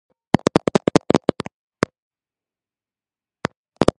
მონაწილეობდა სხვადასხვა ფესტივალებზე მიღებული აქვს პრიზები.